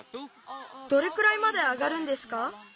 どれくらいまで上がるんですか？